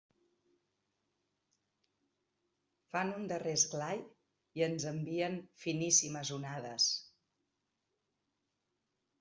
Fan un darrer esglai i ens envien finíssimes onades.